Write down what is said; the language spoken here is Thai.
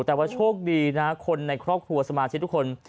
แต่ว่าโชคดีนะคนในครอบครัวสมาชิกทุกคน